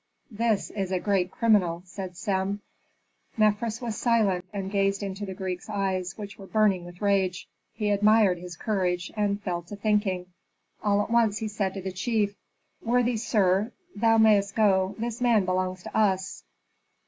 "This is a great criminal," said Sem. Mefres was silent and gazed into the Greek's eyes, which were burning with rage. He admired his courage, and fell to thinking. All at once he said to the chief, "Worthy sir, thou mayst go, this man belongs to us."